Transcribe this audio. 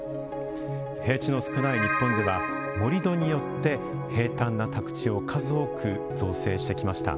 平地の少ない日本では盛土によって、平たんな宅地を数多く造成してきました。